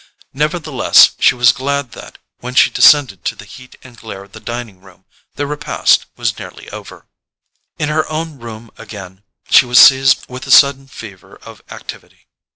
Nevertheless she was glad that, when she descended to the heat and glare of the dining room, the repast was nearly over. In her own room again, she was seized with a sudden fever of activity.